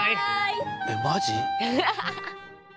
えっマジ？